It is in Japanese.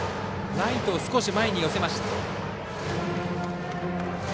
ライト、少し前に寄せました。